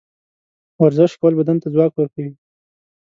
ورزش کول بدن ته ځواک ورکوي.